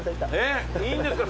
えっいいんですか？